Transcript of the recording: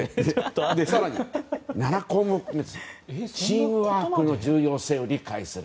更に７項目目、チームワークの重要性を理解する。